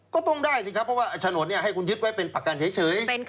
ก็ต้องได้สิครับเพราะว่าฉนดให้คุณยึดไว้เป็นประกันเฉย